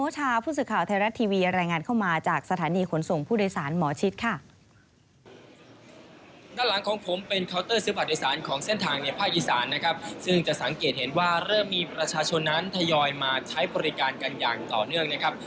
ซึ่งจะสังเกตเห็นว่าเริ่มมีประชาชนนั้นทยอยมาใช้บริการกันอย่างต่อเนื่องนะครับ